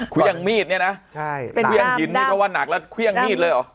เครื่องมีดเนี่ยนะเครื่องหินนี่เขาว่านักแล้วเครื่องมีดเลยเหรอ